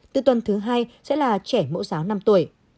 từ tuần thứ hai sẽ là trẻ mẫu giáo năm tuổi